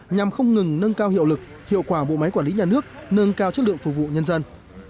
nhằm không ngừng nâng cao hiệu lực hiệu quả bộ máy quản lý nhà nước nâng cao chất lượng phục vụ nhân dân